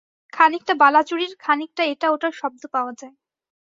খানিকটা বালা-চুড়ির খানিকটা এটা-ওটার শব্দ পাওয়া যায়।